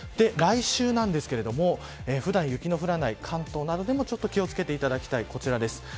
来週なんですが普段雪の降らない関東などでもちょっと気を付けていただきたいこちらです。